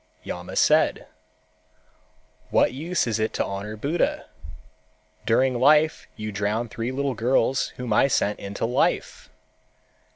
Yama said, "What use is it to honor Buddha? During life you drowned three girls whom I sent into life.